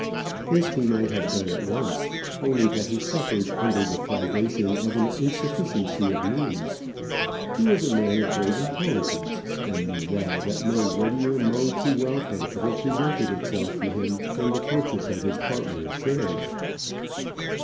This he might have done at once, only that he suffered under the privation of an insufficiency of means. He was a man of great intelligence, and knew well that no readier mode to wealth had ever presented itself to him than the purchase of his partner's shares.